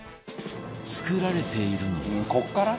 作られているのは